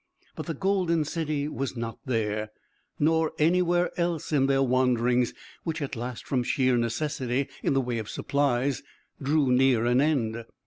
But the golden city was not there, nor anywhere else in their wanderings, which at last from sheer necessity in the way of supplies drew near an end.